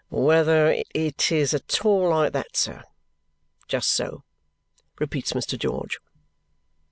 "Whether it is at all like that, sir. Just so," repeats Mr. George.